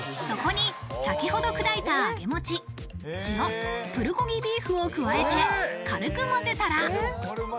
そこに先ほど砕いた揚げもち、塩、プルコギビーフを加えて軽くまぜたら。